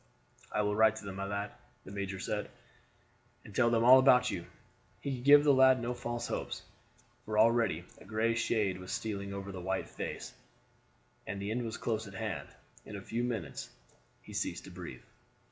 "I will write to them, my lad," the major said, "and tell them all about you." He could give the lad no false hopes, for already a gray shade was stealing over the white face, and the end was close at hand; in a few minutes he ceased to breathe.